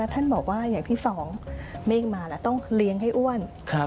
ท่านบอกว่าอย่างที่สองเมฆมาแล้วต้องเลี้ยงให้อ้วน